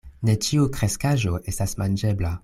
Ne ĉiu kreskaĵo estas manĝebla.